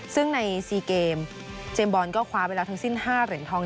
ซึ่งใน๔เกมเจมส์บอลก็คว้าไปแล้วทั้งสิ้น๕เหรียญทอง